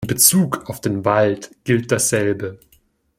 In Bezug auf den Wald gilt dasselbe.